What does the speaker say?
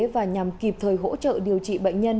và nhằm kịp thời hỗ trợ điều trị bệnh nhân